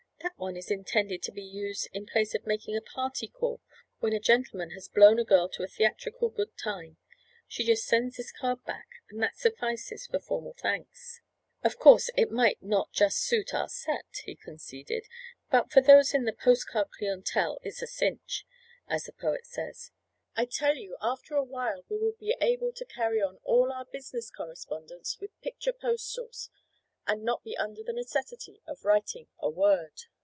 That one is intended to be used in place of making a party call when a gentleman has blown a girl to a theatrical good time. She just sends this card back and that suffices for formal thanks. "Of course it might not just suit our set," he conceded, "but for those in the post card clientele it's a cinch, as the poet says. I tell you after a while we will be able to carry on all our business correspondence with picture postals and not be under the necessity of writing a word.